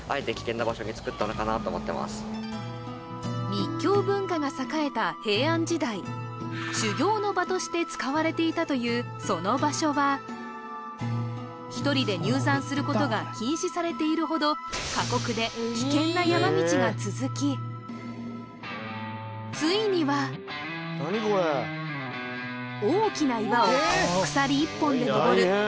密教文化が栄えた平安時代というその場所は１人で入山することが禁止されているほど過酷で危険な山道が続きついには大きな岩を鎖１本で登る危険な崖が